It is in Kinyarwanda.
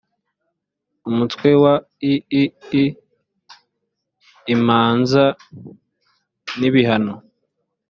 umutwe wa iii imanza n’ibihano